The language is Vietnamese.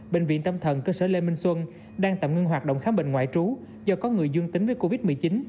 bệnh viện tâm thần cơ sở lê minh xuân đang tạm ngưng hoạt động khám bệnh ngoại trú do có người dương tính với covid một mươi chín